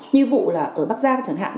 như vụ là ở bắc giang chẳng hạn